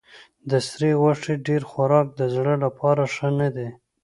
د سرې غوښې ډېر خوراک د زړه لپاره ښه نه دی.